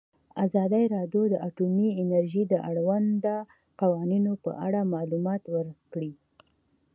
ازادي راډیو د اټومي انرژي د اړونده قوانینو په اړه معلومات ورکړي.